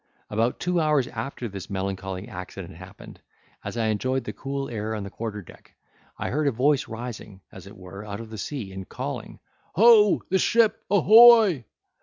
About two hours after this melancholy accident happened, as I enjoyed the cool air on the quarter deck, I heard a voice rising, as it were, out of the sea and calling, "Ho, the ship ahoy!"